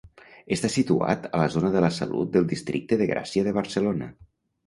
Està situat a la zona de La Salut del districte de Gràcia de Barcelona.